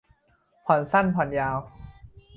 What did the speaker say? ผ่อนสั้นผ่อนยาว